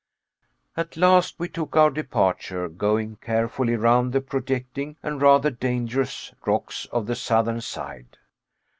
At last we took our departure, going carefully round the projecting, and rather dangerous, rocks of the southern side.